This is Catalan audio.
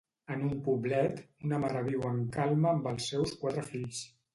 En un poblet una mare viu en calma amb els seus quatre fills.